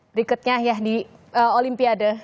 berikutnya ya di olimpiade